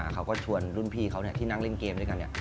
เขาก็ชวนรุ่นพี่เขาที่นั่งเล่นเกมด้วยกัน